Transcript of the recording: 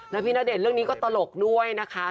แล้วพี่ณเดชน์เรื่องนี้ก็ตลกด้วยนะคะ